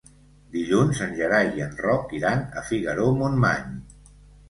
Dilluns en Gerai i en Roc iran a Figaró-Montmany.